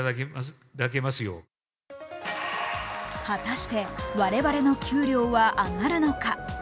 果たして我々の給料は上がるのか？